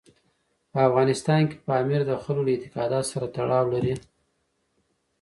په افغانستان کې پامیر د خلکو له اعتقاداتو سره تړاو لري.